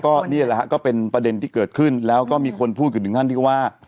ก็นี่แหละฮะก็เป็นประเด็นที่เกิดขึ้นแล้วก็มีคนพูดกันถึงขั้นที่ว่า